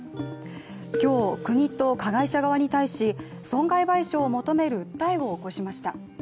今日、国と加害者側に対し損害賠償を求める訴えを起こしました。